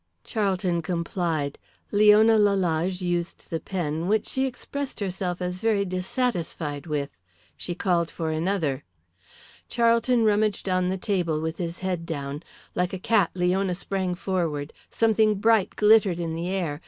Charlton complied. Leona Lalage used the pen, which she expressed herself as very dissatisfied with. She called for another. Charlton rummaged on a table with his head down. Like a cat Leona sprang forward. Something bright glittered in the air.